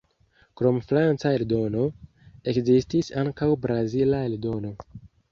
Krom franca eldono, ekzistis ankaŭ brazila eldono.